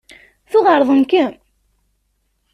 Tuɣ εerḍen-kem?